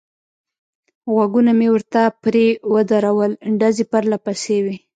غوږونه مې ورته پرې ودرول، ډزې پرله پسې وې.